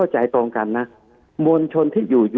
คุณหมอประเมินสถานการณ์บรรยากาศนอกสภาหน่อยได้ไหมคะ